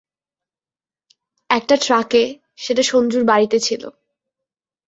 একটা ট্রাকে, যেটা সঞ্জুর বাড়িতে ছিলো!